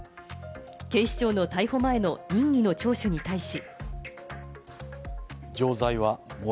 警視庁の逮捕前の任意の聴取に対し。